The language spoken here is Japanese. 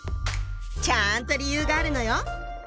ちゃんと理由があるのよ！